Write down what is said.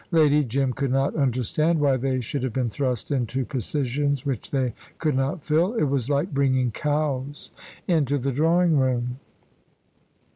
Lady Jim could not understand why they should have been thrust into positions which they could not fill. It was like bringing cows into the drawing room.